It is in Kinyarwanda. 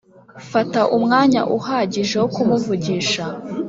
fata umwanya uhagije wo kumuvugisha